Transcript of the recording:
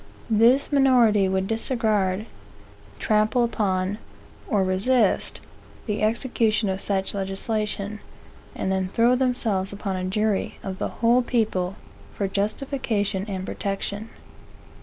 This minority would disregard, trample upon, or resist, the execution of such legislation, and then throw themselves upon a jury of the whole people for justification and protection.